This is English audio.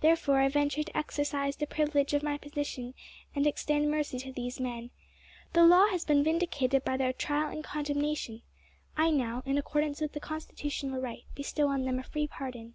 Therefore, I venture to exercise the privilege of my position, and extend mercy to these men. The law has been vindicated by their trial and condemnation. I now, in accordance with constitutional right, bestow on them a free pardon."